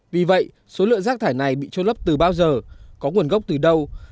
vì vậy số lượng rác thải này bị trôi lấp từ bao giờ có nguồn gốc từ đâu